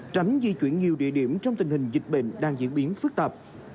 tránh di chuyển nhiều địa điểm trong tình hình dịch bệnh đang diễn biến phức tạp